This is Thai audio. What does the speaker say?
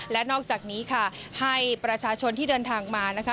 และนอกจากนี้ค่ะให้ประชาชนที่เดินทางมานะคะ